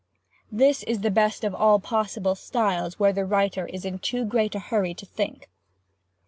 This is the best of all possible styles where the writer is in too great a hurry to think.